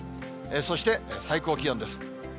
そして、最高気温です。